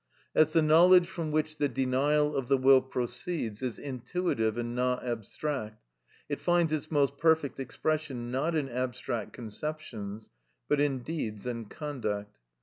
As the knowledge from which the denial of the will proceeds is intuitive and not abstract, it finds its most perfect expression, not in abstract conceptions, but in deeds and conduct.